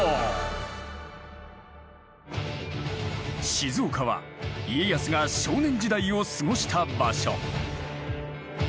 静岡は家康が少年時代を過ごした場所。